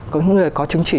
có những người có chứng chỉ